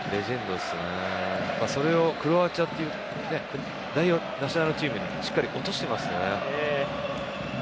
それをクロアチアというナショナルチームにしっかり落としてますよね。